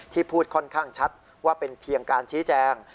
พูดค่อนข้างชัดว่าเป็นเพียงการชี้แจง